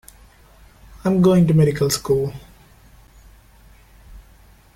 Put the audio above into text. I'm going to medical school.